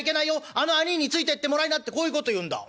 あの兄いについてってもらいな』ってこういうこと言うんだうん。